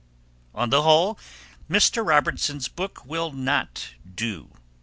On the whole, Mr. Robertson's book will not do.